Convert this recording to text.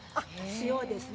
塩ですね。